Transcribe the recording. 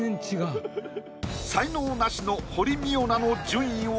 才能ナシの堀未央奈の順位は。